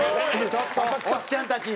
ちょっとおっちゃんたち！